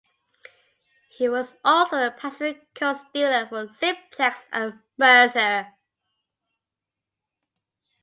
He was also the Pacific Coast dealer for Simplex and Mercer.